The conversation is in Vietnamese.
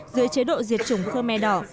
dưới chế độ diệt chủng khơ me đỏ